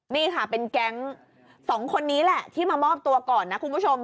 นี่ค่ะเป็นแก๊ง๒คนนี้แหละที่มามอบตัวก่อนนะคุณผู้ชม